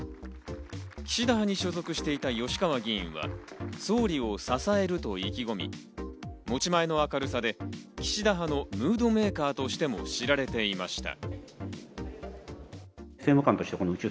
岸田派に所属していた吉川議員は総理を支えると意気込み、持ち前の明るさで、岸田派のムードメーカーとしても知られていました。